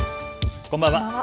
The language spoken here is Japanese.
こんばんは。